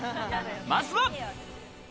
まずは。